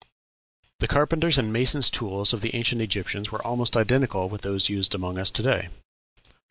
The carpenters' and masons' tools of the ancient Egyptians were almost identical with those used among us to day.